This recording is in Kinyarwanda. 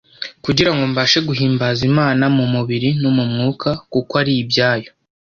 kugira ngo mbashe guhimbaza Imana mu mubiri no mu mwuka, kuko ari ibyayo.